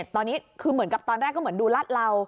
ตอนนี้คือเหมือนกับตอนแรกก็เหมือนดูลาดเหลา